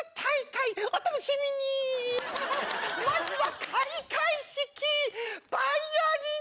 まずは。